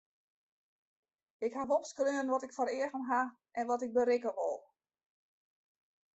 Ik haw opskreaun wat ik foar eagen haw en wat ik berikke wol.